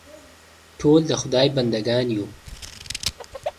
ټول د خدای بندهګان یو.